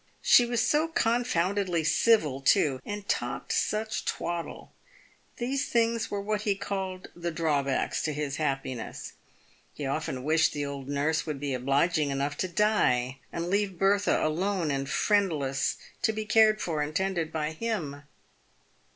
She was so confoundedly civil, too, and talked such twaddle. These things were what he called the drawbacks to his happiness. He often wished the old nurse would be obliging enough to die and leave Bertha, alone and friendless, to be cared for and tended by him.